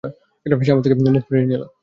সে আমার থেকে মুখ ফিরিয়ে নিল।